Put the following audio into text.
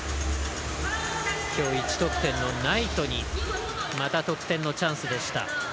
今日、１得点のナイトにまた得点のチャンスでした。